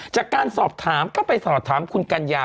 จากการสอบถามก็ไปสอบถามคุณกัญญา